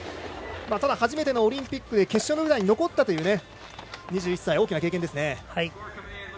ただ、初めてのオリンピックで決勝の舞台に残ったということで２１歳、大きな経験です。